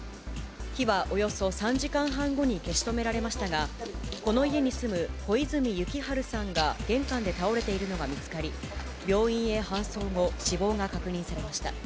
火はおよそ３時間半後に消し止められましたが、この家に住む小泉幸晴さんが玄関で倒れているのが見つかり、病院へ搬送後、死亡が確認されました。